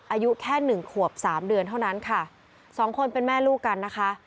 อายุแค่หนึ่งขวบสามเดือนเท่านั้นค่ะสองคนเป็นแม่ลูกกันนะคะ